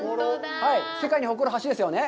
世界に誇る橋ですよね。